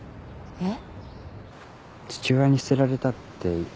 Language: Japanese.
「えっ？